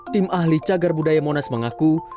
tim ahli cagar budaya monas mengaku